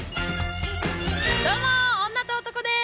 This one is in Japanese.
どうも女と男です。